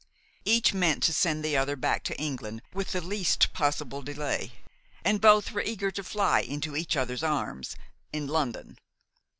Each meant to send the other back to England with the least possible delay, and both were eager to fly into each other's arms in London!